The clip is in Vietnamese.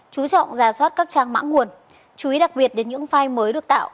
chú trọng giả soát các trang mã nguồn chú ý đặc biệt đến những file mới được tạo